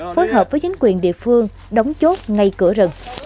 phối hợp với chính quyền địa phương đóng chốt ngay cửa rừng